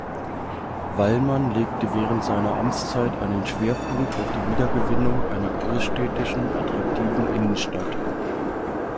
Wallmann legte während seiner Amtszeit einen Schwerpunkt auf die Wiedergewinnung einer großstädtischen, attraktiven Innenstadt.